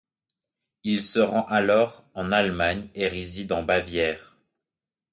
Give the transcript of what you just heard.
Il se rend alors en Allemagne et réside en Bavière.